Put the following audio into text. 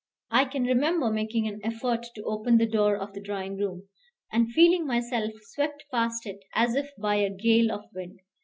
I can remember making an effort to open the door of the drawing room, and feeling myself swept past it, as if by a gale of wind.